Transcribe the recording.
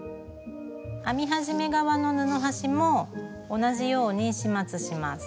編み始め側の布端も同じように始末します。